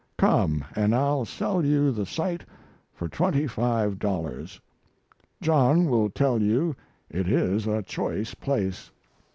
Come and I'll sell you the site for twenty five dollars. John will tell you it is a choice place."